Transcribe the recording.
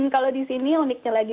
kalau di sini uniknya lagi